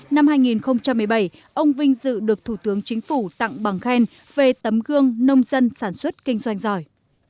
năm hai nghìn một mươi bảy ông vinh dự được thủ tướng chính phủ tặng bằng khen về tấm gương nông dân sản xuất kinh doanh giỏi